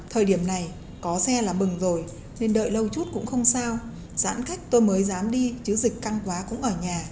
thời điểm này có xe là bừng rồi nên đợi lâu chút cũng không sao giãn cách tôi mới dám đi chứ dịch căng quá cũng ở nhà